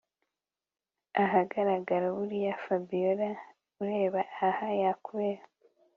ahagaragara buriya Fabiora ureba aha yakubera